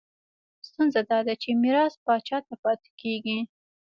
ستونزه دا ده چې میراث پاچا ته پاتې کېږي.